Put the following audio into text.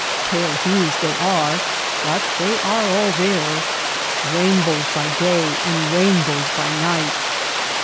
Pale hues they are but they are all there. Eain bows by day and rainbows by night